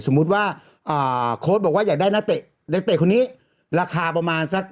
สมมุติว่าโค้ดบอกว่าอยากได้นักเตะนักเตะคนนี้ราคาประมาณสัก